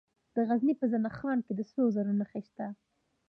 د غزني په زنه خان کې د سرو زرو نښې شته.